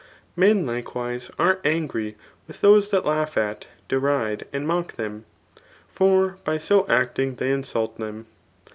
Men, likewise, are angry with those that laugh at, deride and mock them; for by so acting they insult them.